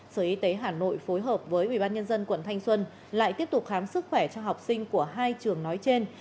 sở y tế hà nội phối hợp với ubnd quận thanh xuân lại tiếp tục khám sức khỏe cho học sinh của hai trường nói trên